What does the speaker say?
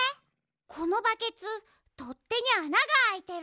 このバケツとってにあながあいてる。